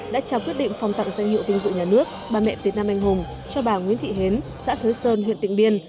đã trao quyết định phong tặng danh hiệu vinh dự nhà nước bà mẹ việt nam anh hùng cho bà nguyễn thị hến xã thới sơn huyện tịnh biên